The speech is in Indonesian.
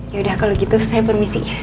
yaudah kalau gitu saya permisi